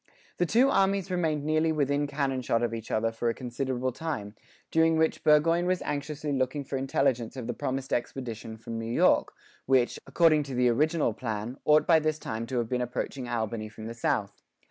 The two armies remained nearly within cannon shot of each other for a considerable time, during which Burgoyne was anxiously looking for intelligence of the promised expedition from New York, which, according to the original plan, ought by this time to have been approaching Albany from the south.